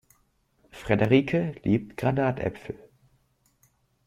Frederike liebt Granatäpfel.